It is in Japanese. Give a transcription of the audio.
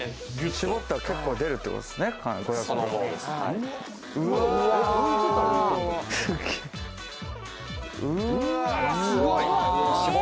絞ったら結構出るってことでうわ、すごい！